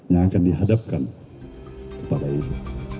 yang akan dihadapkan kepada ibu